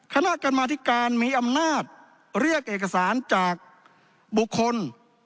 คณะกรรมาธิการมีอำนาจเรียกเอกสารจากบุคคล